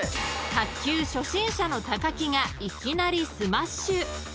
［卓球初心者の木がいきなりスマッシュ］